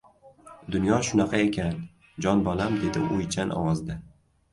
— Dunyo shunaqa ekan, jon bolam, — dedi o‘ychan ovozda.